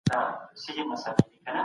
روحي ستونزې د لمانځه په واسطه حلیږي.